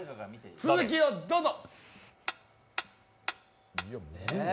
続きをどうぞ。